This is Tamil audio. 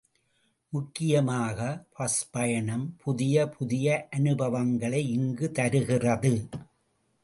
முக்கியமாக பஸ் பயணம் புதிய புதிய அனுபவங்களை இங்குத் தருகிறது.